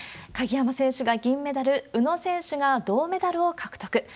鍵山選手が銀メダル、宇野選手が銅メダルを獲得。